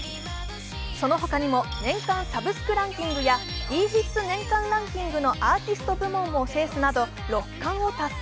その他にも、年間サブスクランキングやｄヒッツ年間ランキングのアーティスト部門も制すなど６冠を達成。